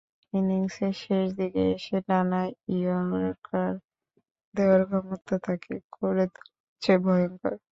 ইনিংসের শেষ দিকে এসে টানা ইয়র্কার দেওয়ার ক্ষমতা তাঁকে করে তুলেছে ভয়ংকর।